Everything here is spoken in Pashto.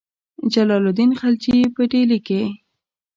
جلال الدین خلجي په ډهلي کې.